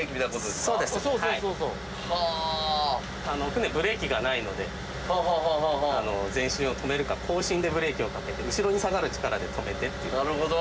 船ブレーキがないので前進を止めるか後進でブレーキをかけて後ろに下がる力で止めてっていう。